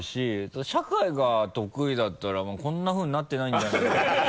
社会が得意だったらこんなふうになってないんじゃないかっていう。